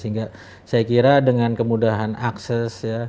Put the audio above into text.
sehingga saya kira dengan kemudahan akses